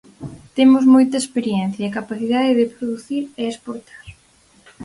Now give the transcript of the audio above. Temos moita experiencia e capacidade de producir e exportar.